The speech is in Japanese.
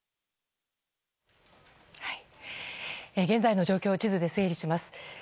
現在の状況を地図で整理します。